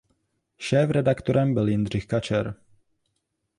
Šéfredaktorem byl Jindřich Kačer.